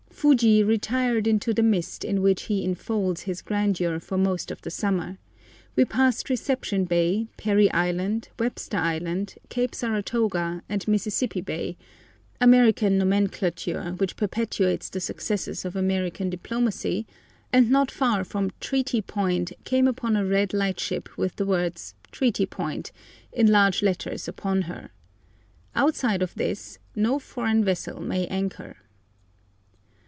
Fuji retired into the mist in which he enfolds his grandeur for most of the summer; we passed Reception Bay, Perry Island, Webster Island, Cape Saratoga, and Mississippi Bay—American nomenclature which perpetuates the successes of American diplomacy—and not far from Treaty Point came upon a red lightship with the words "Treaty Point" in large letters upon her. Outside of this no foreign vessel may anchor.